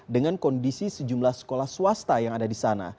dengan kondisi sejumlah sekolah swasta yang ada di sana